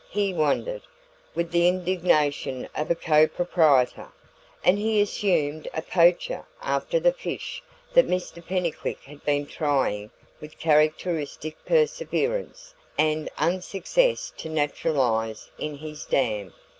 he wondered, with the indignation of a co proprietor; and he assumed a poacher after the fish that Mr Pennycuick had been trying with characteristic perseverance and unsuccess to naturalise in his dam.